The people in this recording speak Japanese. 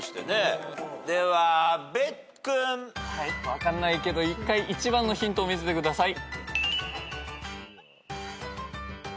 分かんないけど１回１番のヒントを見せてください。